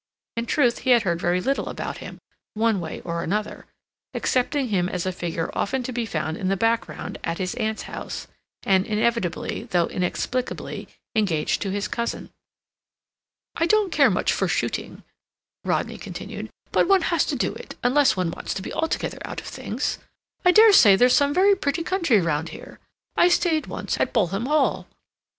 In truth, he had heard very little about him, one way or another, accepting him as a figure often to be found in the background at his aunt's house, and inevitably, though inexplicably, engaged to his cousin. "I don't care much for shooting," Rodney continued; "but one has to do it, unless one wants to be altogether out of things. I dare say there's some very pretty country round here. I stayed once at Bolham Hall.